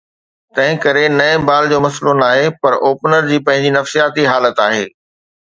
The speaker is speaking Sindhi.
تنهنڪري نئين بال جو مسئلو ناهي، پر اوپنر جي پنهنجي نفسياتي حالت آهي.